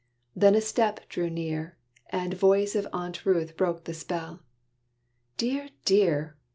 Then a step drew near, And voice of Aunt Ruth broke the spell: "Dear! dear!